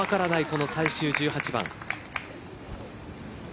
この最終１８番。